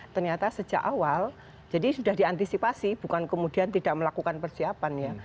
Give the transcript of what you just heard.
ternyata sejak awal jadi sudah diantisipasi bukan kemudian tidak melakukan persiapan ya